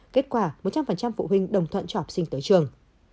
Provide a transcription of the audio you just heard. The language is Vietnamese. kết quả một trăm linh phụ huynh đồng thuận cho học sinh tới trường